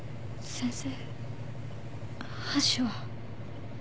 先生。